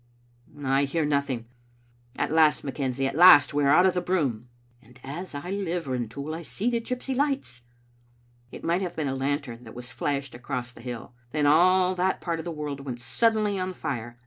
" I hear nothing. At last, McKenzie, at last, we are out of the broom." "And as I live, Rintoul, I see the gypsy lights!" It might have been a lantern that was flashed across the hill. Then all that part of the world went suddenly on fire.